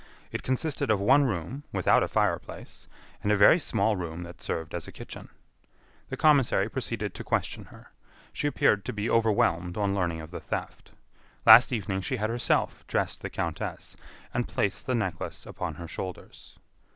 It consisted of one room without a fireplace, and a very small room that served as a kitchen. The commissary proceeded to question her. She appeared to be overwhelmed on learning of the theft. Last evening she had herself dressed the countess and placed the necklace upon her shoulders.